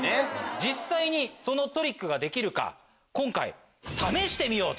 実際にそのトリックができるか今回試してみようと。